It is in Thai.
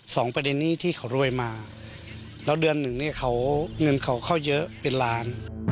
ประเด็นนี้ที่เขารวยมาแล้วเดือนหนึ่งเนี่ยเขาเงินเขาเขาเยอะเป็นล้าน